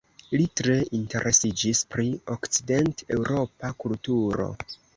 Li tre interesiĝis pri okcident-eŭropa kulturo.